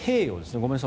ごめんなさい。